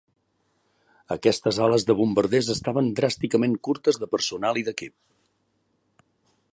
Aquestes ales de bombarders estaven dràsticament curtes de personal i d'equip.